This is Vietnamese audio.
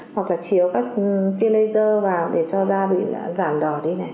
hoặc là chiếu các tiên laser vào để cho da bị giảm đỏ đi